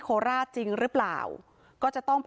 บ้างอยากรู้เรื่องที่เกิดขึ้น